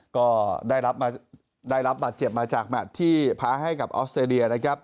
ก็ได้รับปัจเจ็บมาจากแมตรที่พ้าให้กับออสเตอรีย